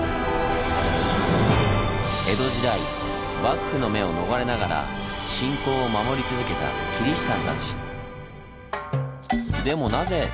江戸時代幕府の目を逃れながら信仰を守り続けたキリシタンたち。